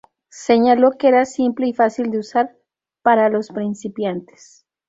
Señaló que era simple y fácil de usar para los principiantes.